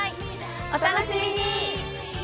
お楽しみに！